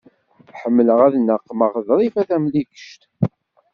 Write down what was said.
Ḥemmleɣ ad naqmeɣ Ḍrifa Tamlikect.